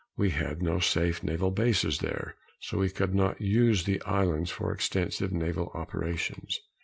We had no safe naval bases there, so we could not use the islands for extensive naval operations.